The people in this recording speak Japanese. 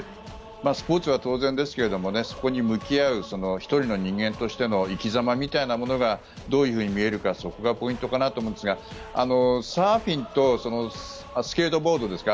スポーツは当然ですがそこに向き合う１人の人間としての生き様みたいなものがどういうふうに見えるかそこがポイントだと思うんですがサーフィンとスケートボードですか。